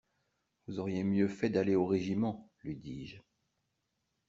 Vous auriez mieux fait d'aller au régiment, lui dis-je.